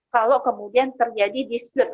kalau kemudian terjadi diskret